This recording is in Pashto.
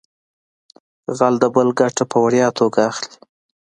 غل د بل ګټه په وړیا توګه اخلي